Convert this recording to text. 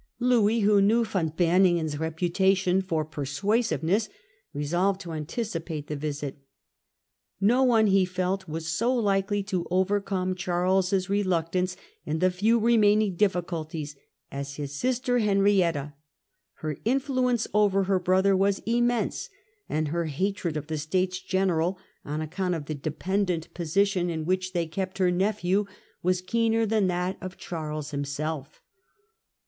Louis, who knew Van Beuninghen's reputation for persuasiveness, resolved to anticipate the visit. No one, he felt, was so likelyto overcome Charles's reluctance and the fewremain ing difficulties as his sister Henrietta \ her influence over her brother was immense, and her hatred of the States General, on account of the dependent position in which they kept her nephew, was keener than that of Charles himself.